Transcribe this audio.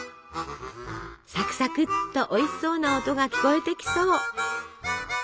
サクサクっとおいしそうな音が聞こえてきそう！